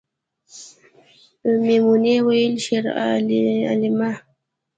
میمونۍ ویلې شیرعالمه